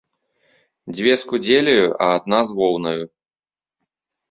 Дзве з кудзеляю, а адна з воўнаю.